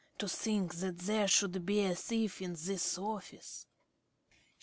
To think that there should be a thief in this office.